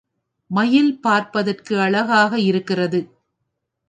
மயில் பார்ப்பதற்கு அழகாக இருக்கிறது.